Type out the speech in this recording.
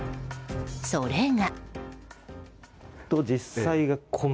それが。